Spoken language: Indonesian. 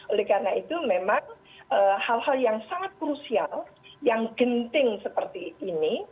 oleh karena itu memang hal hal yang sangat krusial yang genting seperti ini